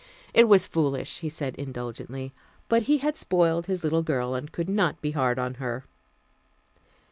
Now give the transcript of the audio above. It was foolish, he said indulgently, but he had spoiled his little girl, and could not be hard on her.